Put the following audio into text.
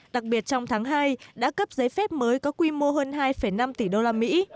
đặc biệt trong tháng hai đã cấp giấy phép mới có quy mô hơn hai năm tỷ đô la mỹ